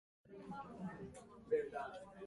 Vegan and gluten free menu options are available.